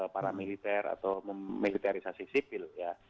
para militer atau memiliterisasi sipil